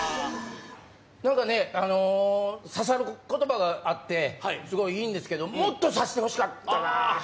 なんかね、刺さる言葉があってすごいいいんですけどもっと刺してほしかったな。